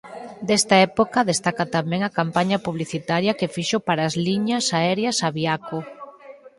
Desta época destaca tamén a campaña publicitaria que fixo para as liñas aéreas Aviaco.